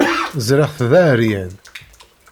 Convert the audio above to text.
Ẓriɣ-t d aεeryan.